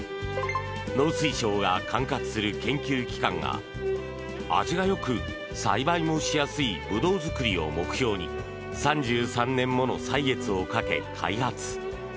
農水省が管轄する研究機関が味が良く栽培もしやすいブドウ作りを目標に３３年もの歳月をかけ開発。